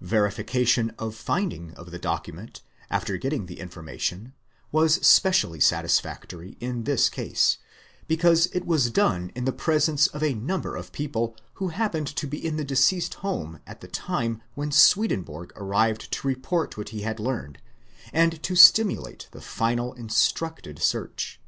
Verification of the finding of the docu ment, after getting the information, was specially satisfactory in this case, because it was done in the presence of a number of people who happened to be in the deceased's house at the time when Swedenborg arrived to report what he had learned, and to stimulate the final instructed search.